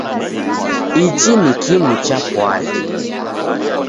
Ichi ni kimu cha pwari.